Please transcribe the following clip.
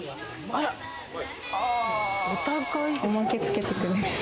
おまけつけてくれる。